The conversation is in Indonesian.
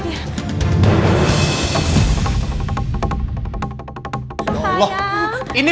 tidak ada apa apa